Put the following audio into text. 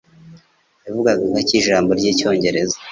Yavugaga gake ijambo ryicyongereza.